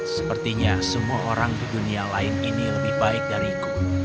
sepertinya semua orang di dunia lain ini lebih baik dariku